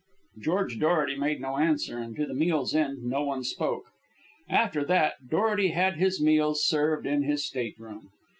George Dorety made no answer, and to the meal's end no one spoke. After that, Dorety had his meals served in his state room.